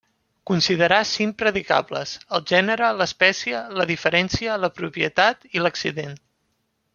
Considerà cinc predicables: el gènere, l'espècie, la diferència, la propietat i l'accident.